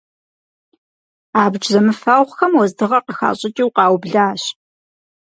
Абдж зэмыфэгъухэм уэздыгъэ къыхащӀыкӀыу къаублащ.